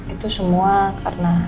itu semua karena